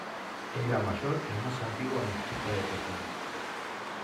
Es la mayor y más antigua mezquita de Pekín.